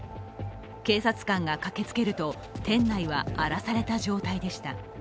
警察官が駆けつけると、店内は荒らされた状態でした。